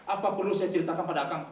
apa perlu saya ceritakan pada kang